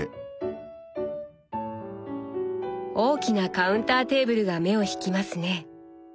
大きなカウンターテーブルが目を引きますね。